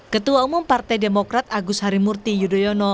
ketua umum partai demokrat agus harimurti yudhoyono